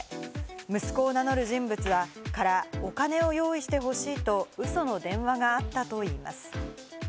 息子を名乗る人物からお金を用意してほしいとウソの電話があったといいます。